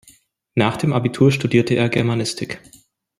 Nach dem Abitur studierte er Germanistik.